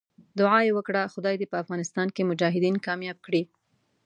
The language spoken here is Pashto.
دعا یې وکړه خدای دې په افغانستان کې مجاهدین کامیاب کړي.